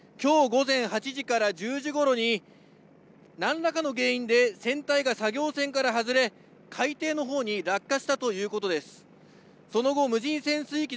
しかしきょう午前８時から１０時ごろに何らかの原因で船体が作業船から外れ海底のほうに落下したということです。